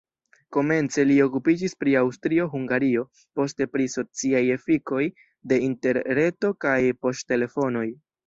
Komence li okupiĝis pri Aŭstrio-Hungario, poste pri sociaj efikoj de interreto kaj poŝtelefonoj.